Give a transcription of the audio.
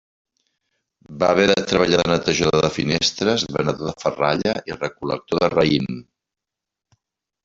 Va haver de treballar de netejador de finestres, venedor de ferralla i recol·lector de raïm.